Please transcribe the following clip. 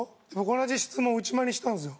同じ質問を内間にしたんですよ。